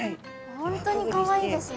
本当にかわいいですね。